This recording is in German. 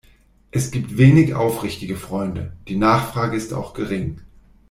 Es gibt wenig aufrichtige Freunde - die Nachfrage ist auch gering.